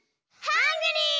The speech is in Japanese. ハングリー！